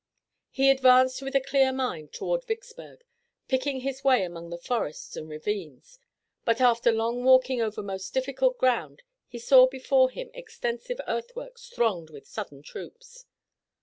He advanced with a clear mind toward Vicksburg, picking his way among the forests and ravines, but, after long walking over most difficult ground, he saw before him extensive earthworks thronged with Southern troops.